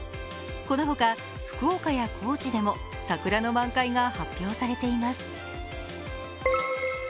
このほか、福岡や高知でも桜の満開が発表されています。